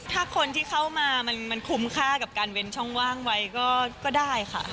ถ้าคนที่เข้ามามันคุ้มค่ากับการเว้นช่องว่างไว้ก็ได้ค่ะ